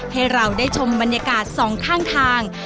ให้เราได้ชมบรรยากาศสองข้างทาง